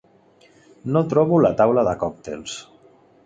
No trobo la taula de còctels.